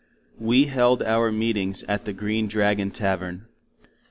We held our meetings at the Green Dragon Tavern.